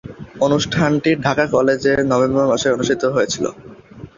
অনুষ্ঠানটি ঢাকা কলেজে নভেম্বর মাসে অনুষ্ঠিত হয়েছিলো।